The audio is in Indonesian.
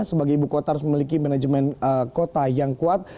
sebagai ibu kota harus memiliki manajemen kota yang kuat